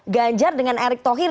ganjar dengan erick thohir